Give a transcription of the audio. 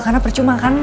karena percuma kan